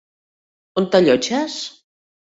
On t'allotges?